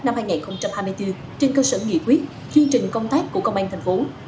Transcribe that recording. năm hai nghìn hai mươi bốn trên cơ sở nghị quyết chuyên trình công tác của công an tp hcm